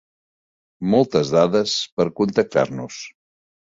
Moltes dades per contactar-nos.